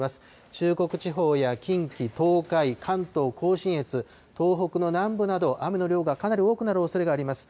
中国地方や近畿、東海、関東甲信越、東北の南部など、雨の量がかなり多くなるおそれがあります。